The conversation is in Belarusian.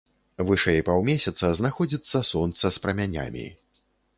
Вышэй паўмесяца знаходзіцца сонца з прамянямі.